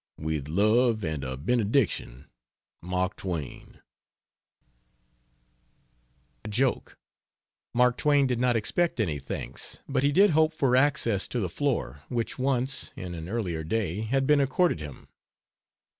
With love and a benediction. MARK TWAIN. This was mainly a joke. Mark Twain did not expect any "thanks," but he did hope for access to the floor, which once, in an earlier day, had been accorded him.